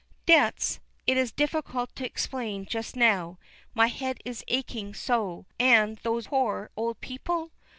"Debts! It is difficult to explain just now, my head is aching so; and those poor old people?